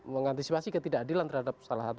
mengantisipasi ketidakadilan terhadap salah satu